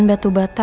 kasian batu bata